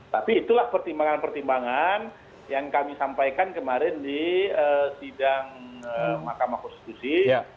tapi itulah pertimbangan pertimbangan yang kami sampaikan kemarin di sidang mahkamah konstitusi